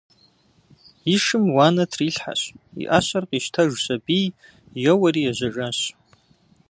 И шым уанэ трилъхьэщ, и ӏэщэр къищтэжщ аби, еуэри ежьэжащ.